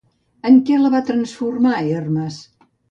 En què la va transformar Hermes?